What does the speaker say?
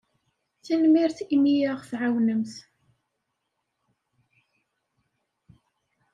Tanemmirt imi i aɣ-tɛawnemt.